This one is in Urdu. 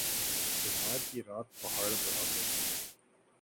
بیمار کی رات پہاڑ برابر